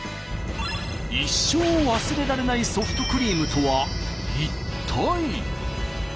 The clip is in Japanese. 一生忘れられないソフトクリームとは一体。